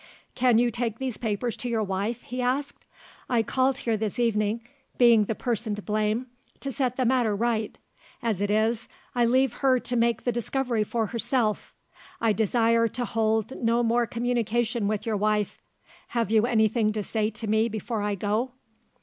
"Can you take these papers to your wife?" he asked. "I called here this evening being the person to blame to set the matter right. As it is, I leave her to make the discovery for herself. I desire to hold no more communication with your wife. Have you anything to say to me before I go?"